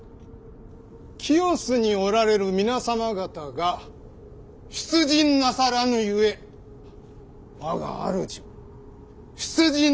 清須におられる皆様方が出陣なさらぬゆえ我が主も出陣できぬと。